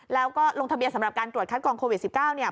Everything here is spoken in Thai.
แล้วก็ลงทะเบียนสำหรับการตรวจคัดกองโควิด๑๙เนี่ย